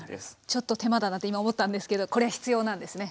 ちょっと手間だなって今思ったんですけどこれ必要なんですね。